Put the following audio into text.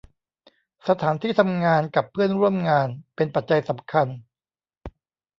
สถานที่ทำงานกับเพื่อนร่วมงาน เป็นปัจจัยสำคัญ